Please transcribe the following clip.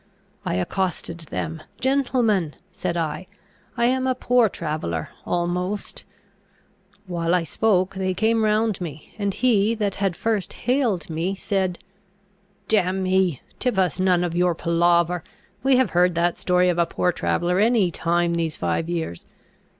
I accosted them; "Gentlemen," said I, "I am a poor traveller, almost" While I spoke, they came round me; and he that had first hailed me, said, "Damn me, tip us none of your palaver; we have heard that story of a poor traveller any time these five years.